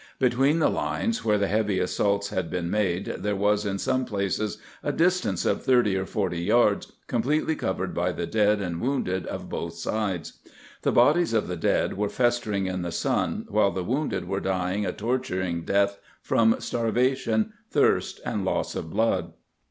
Between the lines where the heavy assaults had been made there was in some places a distance of thirty or forty yards completely covered by the dead and wounded of both sides. The bodies of the dead were festering in the sun, while the wounded were dying a torturing death from starvation, thirst, and loss of blood.